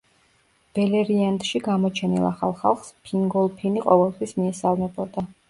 ბელერიანდში გამოჩენილ ახალ ხალხს ფინგოლფინი ყოველთვის მიესალმებოდა.